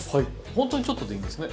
ほんとにちょっとでいいんですね。